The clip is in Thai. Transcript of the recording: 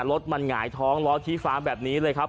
รถมันหงายท้องล้อชี้ฟ้าแบบนี้เลยครับ